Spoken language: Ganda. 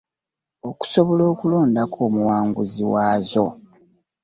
Okusobola okulondako omuwanguzi waazo.